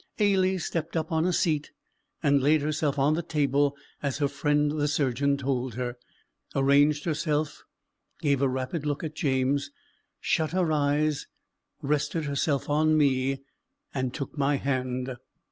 Ailie stepped up on a seat, and laid herself on the table as her friend the surgeon told her; arranged herself, gave a rapid look at James, shut her eyes, rested herself on me, and took my hand.